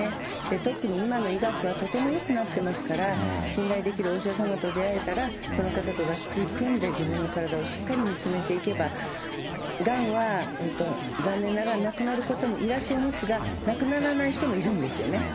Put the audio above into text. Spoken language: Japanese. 特に今の医学はとてもよくなってますから、信頼できるお医者様と出会えたら、その方とがっちり組んで、自分の体をしっかり見つめていけば、がんは本当、残念ながら亡くなる方もいらっしゃいますが、亡くならない人もいるんですよね。